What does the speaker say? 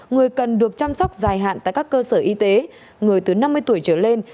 người cần được chăm sóc dài hạn tại các cơ sở y tế người từ năm mươi tuổi trở lên